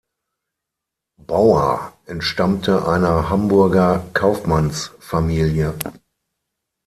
Bauer entstammte einer Hamburger Kaufmannsfamilie.